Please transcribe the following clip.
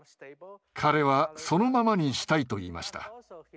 彼はそのままにしたいと言いました。